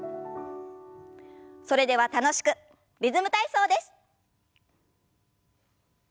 それでは楽しくリズム体操です。